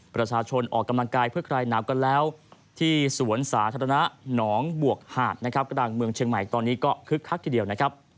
ประชาชนออกกำลังกายเพื่อคลายหนาวกันแล้วที่สวนสาธารณะนองบวกหาดครั้งเมืองเชียงใหม่